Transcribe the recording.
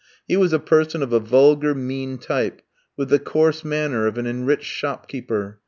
He was a person of a vulgar, mean type, with the coarse manner of an enriched shopkeeper.